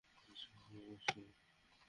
হাসি, খুশি মানুষ ছিল।